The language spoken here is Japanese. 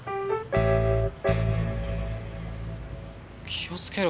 気を付けろ